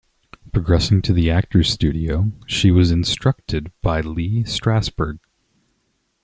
Progressing to the Actors Studio, she was instructed by Lee Strasberg.